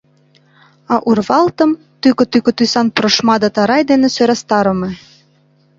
А урвалтым тӱкӧ-тӱкӧ тӱсан прошма да тарай дене сӧрастарыме.